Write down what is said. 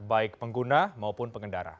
baik pengguna maupun pengendara